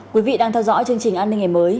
quý vị đang theo dõi chương trình an ninh ngày mới